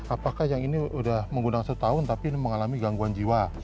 apakah yang ini sudah mengundang setahun tapi mengalami gangguan jiwa